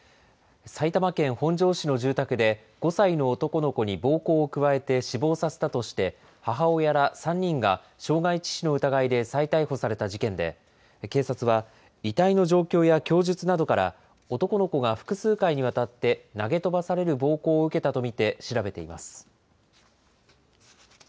埼玉県本庄市の住宅で、５歳の男の子に暴行を加えて死亡させたとして、母親ら３人が傷害致死の疑いで再逮捕された事件で、警察は、遺体の状況や供述などから、男の子が複数回にわたって投げ飛ばされる暴行を受けたと見て、調べています。